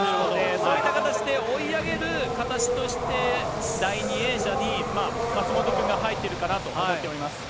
そういった形で追い上げる形として、第２泳者に松元君が入っているかなと思っております。